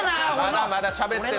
まだまだしゃべってる。